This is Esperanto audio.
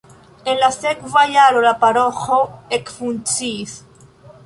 En la sekva jaro la paroĥo ekfunkciis.